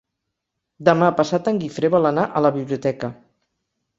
Demà passat en Guifré vol anar a la biblioteca.